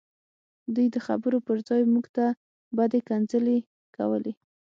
دوی د خبرو پرځای موږ ته بدې کنځلې کولې